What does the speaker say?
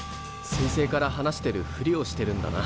彗星から話してるフリをしてるんだな。